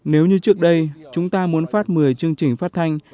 nếu như trước đây chúng ta muốn phát một mươi chương trình phát thanh